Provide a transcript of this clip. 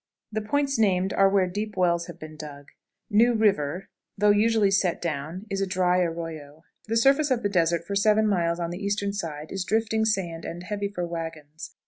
The points named are where deep wells have been dug. "New River," though usually set down, is a dry arroyo. The surface of the desert for seven miles on the eastern side is drifting sand and heavy for wagons.